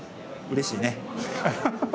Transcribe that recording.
うれしいね。